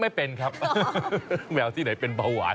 ไม่เป็นครับแมวที่ไหนเป็นเบาหวาน